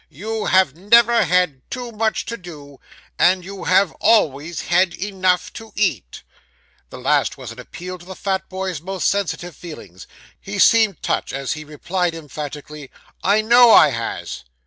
You have never had too much to do; and you have always had enough to eat.' This last was an appeal to the fat boy's most sensitive feelings. He seemed touched, as he replied emphatically 'I knows I has.